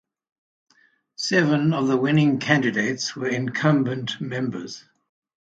Seven of the winning candidates were incumbent members.